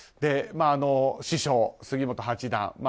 師匠、杉本八段